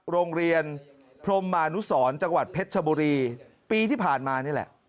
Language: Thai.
โรงเรียนพรมมานุสรจังหวัดเพชรชบุรีปีที่ผ่านมานี่แหละ